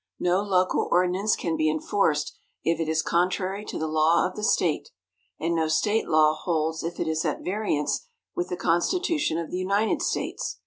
No local ordinance can be enforced if it is contrary to the law of the State, and no State law holds if it is at variance with the Constitution of the United States.